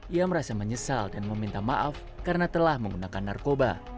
ia merasa menyesal dan meminta maaf karena telah menggunakan narkoba